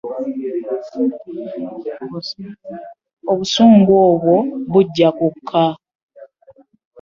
Obusungu bwo bujja kukka.